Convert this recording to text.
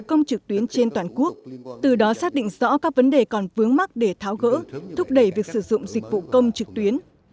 công trực tuyến trên toàn quốc từ đó xác định rõ các vấn đề còn vướng mắt để tháo gỡ thúc đẩy việc sử dụng dịch vụ công trực tuyến